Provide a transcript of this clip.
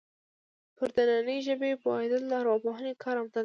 پر دنننۍ ژبې پوهېدل د ارواپوهنې کار او دنده ده